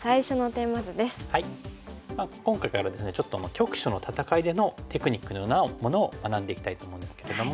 今回からですねちょっと局所の戦いでのテクニックのようなものを学んでいきたいと思うんですけども。